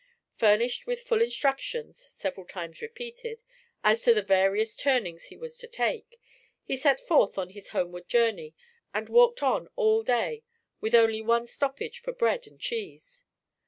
Furnished with full instructions, several times repeated, as to the various turnings he was to take, he set forth on his homeward journey and walked on all day with only one stoppage for bread and cheese.